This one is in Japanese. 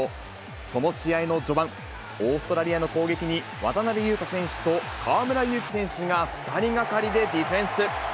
その試合の序盤、オーストラリアの攻撃に、渡邊雄太選手と河村勇輝選手が２人がかりでディフェンス。